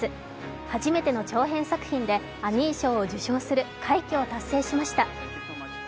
初めての長編作品でアニー賞を受賞する快挙を達成しました。